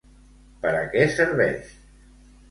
Per a què serveix?